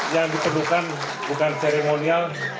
yang diperlukan bukan seremonial